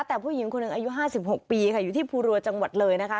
แต่ผู้หญิงคนหนึ่งอายุ๕๖ปีค่ะอยู่ที่ภูรัวจังหวัดเลยนะคะ